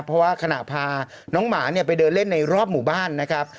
เพราะว่าขณะพาน้องหมาเนี่ยไปเดินเล่นในรอบหมู่บ้านนะครับ